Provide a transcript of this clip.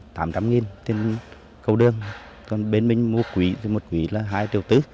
tiền cầu đường còn bên mình mua quỹ là hai triệu tứ